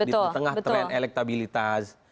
di tengah tren elektabilitas